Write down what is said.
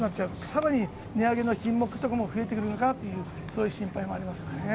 さらに値上げの品目とかも増えてくるのかなという、そういう心配もありますよね。